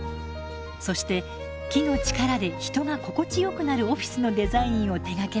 そして木の力で人が心地よくなるオフィスのデザインを手がけました。